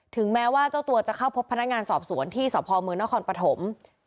แม้ว่าเจ้าตัวจะเข้าพบพนักงานสอบสวนที่สพมนครปฐม